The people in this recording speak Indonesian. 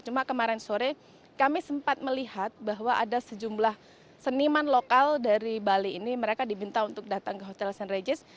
cuma kemarin sore kami sempat melihat bahwa ada sejumlah seniman lokal dari bali ini mereka diminta untuk datang ke hotel st regis